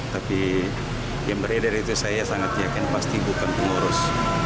tapi yang beredar itu saya sangat yakin pasti bukan pengurus